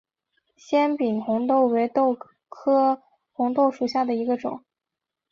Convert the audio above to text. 纤柄红豆为豆科红豆属下的一个种。